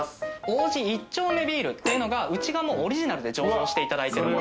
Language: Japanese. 王子一丁目麦酒っていうのがうちがオリジナルで醸造していただいてるもの。